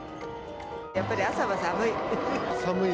やっぱり朝は寒い。